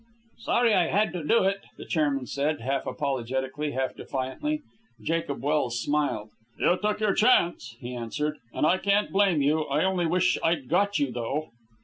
"Sorry I had to do it," the chairman said, half apologetically, half defiantly. Jacob Welse smiled. "You took your chance," he answered, "and I can't blame you. I only wish I'd got you, though."